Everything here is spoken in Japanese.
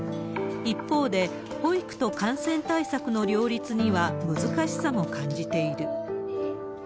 一方で、保育と感染対策の両立には難しさも感じている。